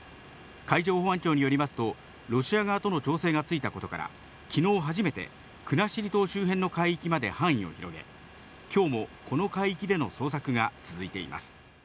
海上保安庁によりますと、ロシア側との調整がついたことから、きのう初めて、国後島周辺の海域まで範囲を広げ、きょうもこの海域での捜索が続いています。